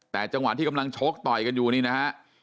แต่จังหวะที่กำลังชกต่อยกันอยู่นี่นะฮะ